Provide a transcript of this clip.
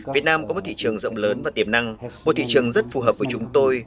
việt nam có một thị trường rộng lớn và tiềm năng một thị trường rất phù hợp với chúng tôi